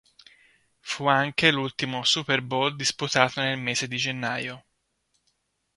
Fu anche l'ultimo Super Bowl disputato nel mese di gennaio.